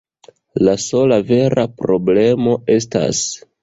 La sola vera problemo estas...